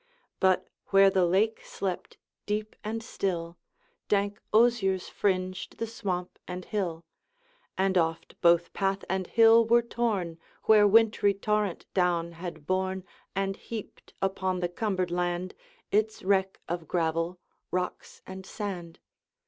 But where the lake slept deep and still Dank osiers fringed the swamp and hill; And oft both path and hill were torn Where wintry torrent down had borne And heaped upon the cumbered land Its wreck of gravel, rocks, and sand.